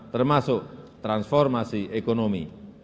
termasuk transformasi ekonomi